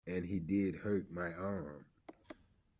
And he did hurt my arm.